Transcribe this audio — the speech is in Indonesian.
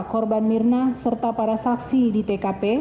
korban mirna serta para saksi di tkp